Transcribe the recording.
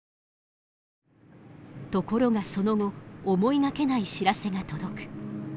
ところがその後思いがけない知らせが届く。